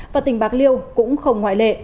và tình bạc liêu cũng không ngoại lệ